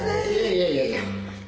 いやいやいやいや。